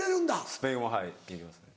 スペイン語もはいできますね